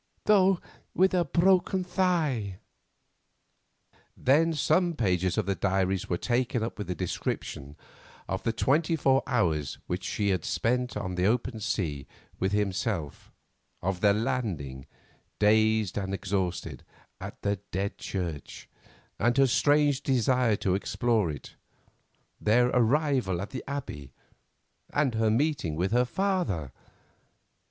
—though with a broken thigh." Then some pages of the diary were taken up with the description of the twenty four hours which she had spent on the open sea with himself, of their landing, dazed and exhausted, at the Dead Church, and her strange desire to explore it, their arrival at the Abbey, and her meeting with her father.